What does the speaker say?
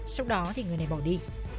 sau đó thì người này bỏ đi